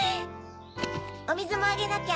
おみずもあげなきゃ。